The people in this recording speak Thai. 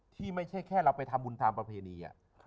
ไม่ใช่แค่เราไปทำบุญตามประเพณี